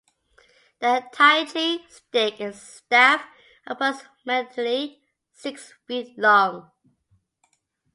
The T'ai Chi stick is a staff approximately six feet long.